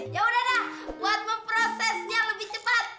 ya udah dah buat memprosesnya lebih cepat